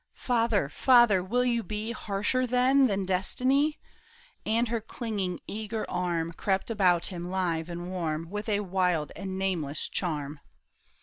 " Father, father, will you be Harsher, then, than destiny ?" And her clinging, eager arm Crept about him live and warm With a wild and nameless charm.